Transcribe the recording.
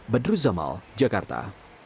badru zamal jakarta